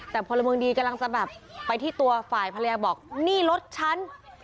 แต่พลเมืองดีกำลังจะแบบไปที่ตัวฝ่ายภรรยาบอกนี่รถฉัน